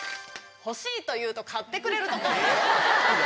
欲しいと言うと買ってくれるところ。